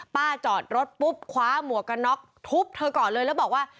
จอดรถปุ๊บคว้าหมวกกันน็อกทุบเธอก่อนเลยแล้วบอกว่า